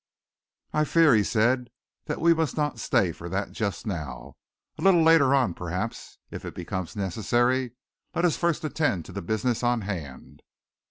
"I fear," he said, "that we must not stay for that just now. A little later on, perhaps, if it becomes necessary. Let us first attend to the business on hand."